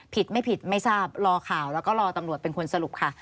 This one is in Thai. ผิดไม่ผิดไม่ทราบรอข่าวแล้วก็รอตำรวจเป็นคนสรุปค่ะ